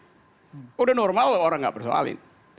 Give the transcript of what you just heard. sudah normal loh orang tidak bersoalin